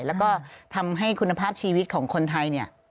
แล้วก็ทำให้คุณภาพชีวิตของคนไทยเนี่ย